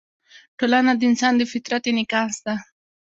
ټولنه د انسان د فطرت انعکاس ده.